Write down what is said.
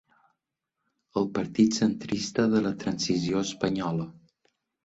El partit centrista de la transició espanyola.